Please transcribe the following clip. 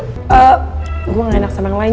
gue gak enak sama yang lain